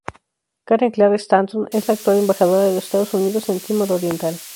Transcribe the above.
Karen Clark Stanton es la actual embajadora de los Estados Unidos en Timor Oriental.